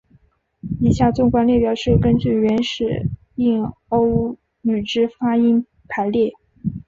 以下纵观列表是根据原始印欧语之发音排列。